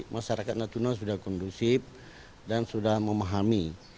masyarakat natuna sudah kondusif dan sudah memahami